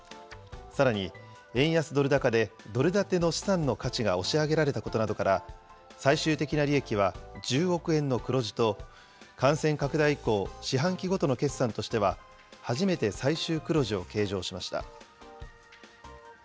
さらに、円安ドル高でドル建ての資産の価値が押し上げられたことなどから、最終的な利益は１０億円の黒字と、感染拡大以降、四半期ごとの決算としては初めて最終黒字を計上しました。